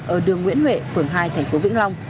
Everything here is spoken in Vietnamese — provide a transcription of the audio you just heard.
ở đường nguyễn huệ phường hai tp vĩnh long